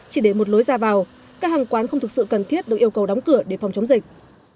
chỉ để một lối ra vào các hàng quán không thực sự cần thiết được yêu cầu đóng cửa để phòng chống dịch